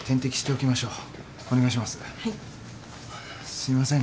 すいません。